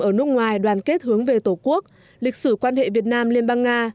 ở nước ngoài đoàn kết hướng về tổ quốc lịch sử quan hệ việt nam liên bang nga